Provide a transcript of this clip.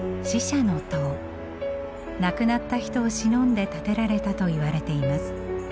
亡くなった人をしのんで建てられたといわれています。